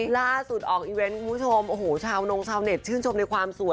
ล่าสุดออกอีเวนต์คุณผู้ชมโอ้โหชาวนงชาวเน็ตชื่นชมในความสวย